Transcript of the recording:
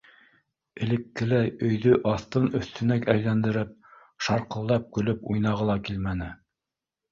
Элеккеләй өйҙө аҫтын-өҫтөнә әйләндереп, шарҡылдап көлөп уйнағы ла килмәне.